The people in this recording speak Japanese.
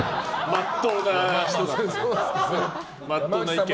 まっとうな意見。